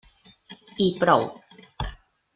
I prou!